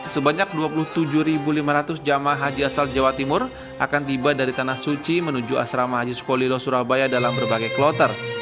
sebanyak dua puluh tujuh lima ratus jamaah haji asal jawa timur akan tiba dari tanah suci menuju asrama haji sukolilo surabaya dalam berbagai kloter